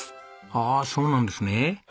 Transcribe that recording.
ああそうなんですね。